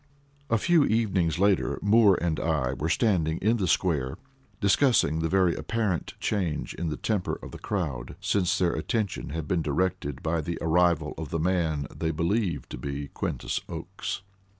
A few evenings later Moore and I were standing in the square, discussing the very apparent change in the temper of the crowd since their attention had been directed by the arrival of the man they believed to be Quintus Oakes.